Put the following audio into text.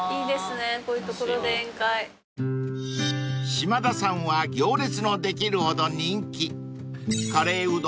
［しまださんは行列のできるほど人気］